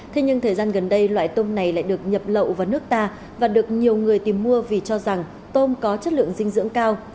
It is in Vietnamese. thế nhưng thời gian gần đây loại tôm này lại được nhập lậu vào nước ta và được nhiều người tìm mua vì cho rằng tôm có chất lượng dinh dưỡng cao